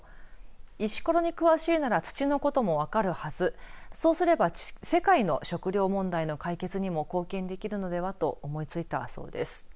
石ころに詳しいなら土のことも分かるはずそうすれば世界の食料問題の解決にも貢献できるのではと思いついたそうです。